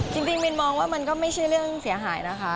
มินมองว่ามันก็ไม่ใช่เรื่องเสียหายนะคะ